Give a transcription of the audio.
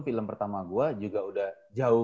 film pertama gue juga udah jauh